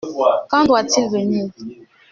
Quand doit-il venir ?